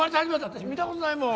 私見た事ないもん。